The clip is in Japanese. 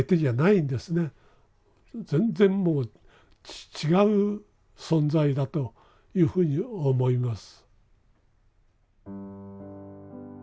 全然もう違う存在だというふうに思います。